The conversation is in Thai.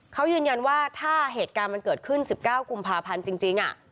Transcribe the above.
เขายืนแยนว่าถ้าเหตุงานมันเกิดขึ้นสิบเก้ากุมภาพันธุ์จริงง่ะ